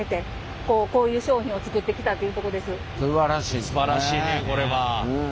すばらしいねこれは。うん。